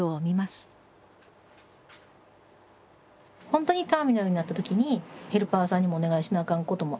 本当にターミナルになった時にヘルパーさんにもお願いしなあかんこともあるやろうし。